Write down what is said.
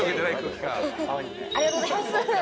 ありがとうございます。